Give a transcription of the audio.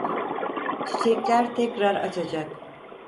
Çiçekler tekrar açacak.